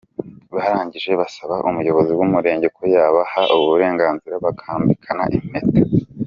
barangije basaba umuyobozi w’umurenge ko yabaha uburenganzira bakambikana impeta.